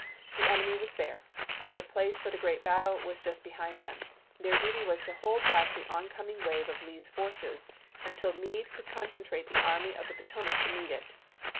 The enemy was there. The place for the great battle was just behind them ; their duty was to hold back the oncoming wave of Lee's forces until Meade could concentrate the Army of the Potomac to meet it.